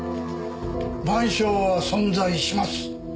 『晩鐘』は存在します。